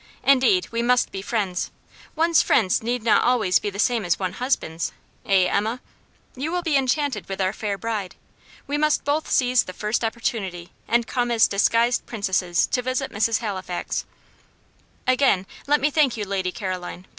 Indeed, we must be friends. One's friends need not always be the same as one's husband's, eh, Emma? You will be enchanted with our fair bride. We must both seize the first opportunity, and come as disguised princesses to visit Mrs. Halifax." "Again let me thank you, Lady Caroline.